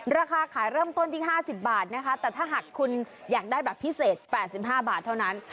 ราคาขายเริ่มต้นที่๕๐บาทนะคะแต่ถ้าหากคุณอยากได้แบบพิเศษ๘๕บาทเท่านั้น